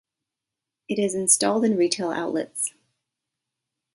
It is installed in retail outlets.